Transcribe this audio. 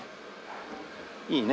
いいね。